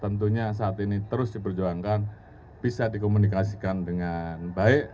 tentunya saat ini terus diperjuangkan bisa dikomunikasikan dengan baik